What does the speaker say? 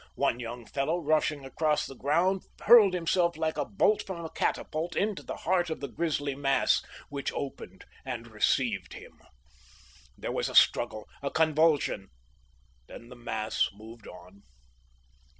One young fellow, rushing across the ground, hurled himself like a bolt from a catapult into the heart of the grisly mass, which opened and received him. There was a struggle, a convulsion; then the mass moved on.